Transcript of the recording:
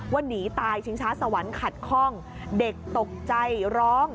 หนีตายชิงช้าสวรรค์ขัดคล่องเด็กตกใจร้อง